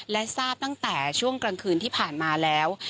และทราบตั้งแต่ช่วงกลางคืนที่ผ่านมาแล้ว